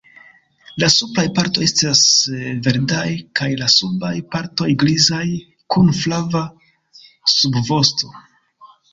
La supraj partoj estas verdaj kaj la subaj partoj grizaj, kun flava subvosto.